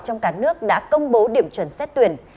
trong cả nước đã công bố điểm chuẩn xét tuyển